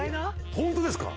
ホントですか？